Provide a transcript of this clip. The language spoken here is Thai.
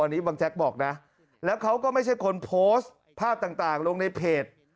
อันนี้บางแจ๊กบอกนะแล้วเขาก็ไม่ใช่คนโพสต์ภาพต่างลงในเพจ